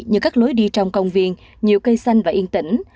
như các lối đi trong công viên nhiều cây xanh và yên tĩnh